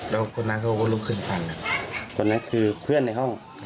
แล้วคนนั้นเขาก็ลุกขึ้นฟันคนนั้นคือเพื่อนในห้อง